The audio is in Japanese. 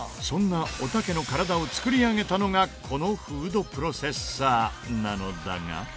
そんなおたけの体を作り上げたのがこのフードプロセッサーなのだが。